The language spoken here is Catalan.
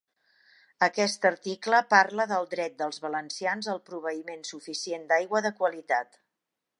Aquest article parla del dret dels valencians al proveïment suficient d'aigua de qualitat.